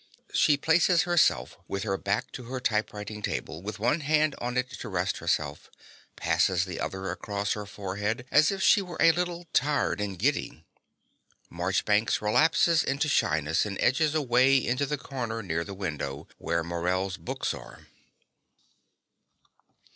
She places herself with her back to her typewriting table, with one hand on it to rest herself, passes the other across her forehead as if she were a little tired and giddy. Marchbanks relapses into shyness and edges away into the corner near the window, where Morell's books are.)